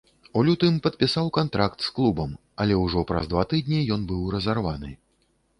У лютым падпісаў кантракт з клубам, але ўжо праз два тыдні ён быў разарваны.